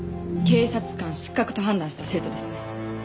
警察官失格と判断した生徒ですね。